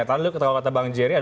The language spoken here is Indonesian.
tadi kalau kata bang jerry